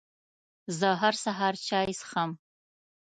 زه هر سهار چای څښم.